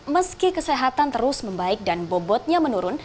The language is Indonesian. meski kesehatan terus membaik dan bobotnya menurun